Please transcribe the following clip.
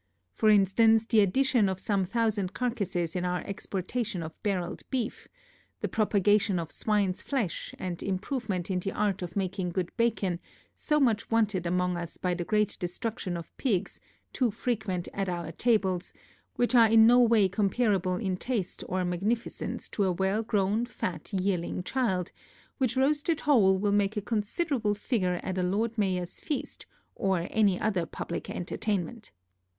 For instance, the addition of some thousand carcasses in our exportation of barrelŌĆÖd beef: the propagation of swineŌĆÖs flesh, and improvement in the art of making good bacon, so much wanted among us by the great destruction of pigs, too frequent at our tables; which are no way comparable in taste or magnificence to a well grown, fat yearling child, which roasted whole will make a considerable figure at a Lord MayorŌĆÖs feast, or any other publick entertainment.